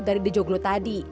dari dejoglo tadi